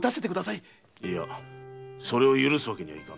いやそれを許すわけにはいかんな。